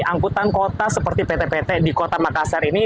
angkutan kota seperti pt pt di kota makassar ini